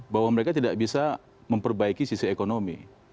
bahwa mereka tidak bisa memperbaiki sisi ekonomi